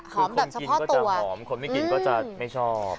คือคนกินก็จะหอมคนไม่กินก็จะไม่ชอบ